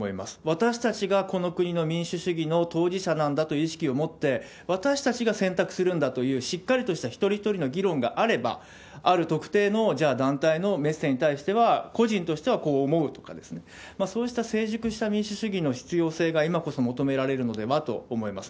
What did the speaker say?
私たちがこの国の民主主義の当事者なんだという意識を持って、私たちが選択するんだという、しっかりとした一人一人の議論があれば、ある特定の、じゃあ、団体のメッセージに対しては、個人としてはこう思うとかですね、そうした成熟した民主主義の必要性が今こそ求められるのではと思います。